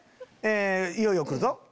いよいよ来るぞ。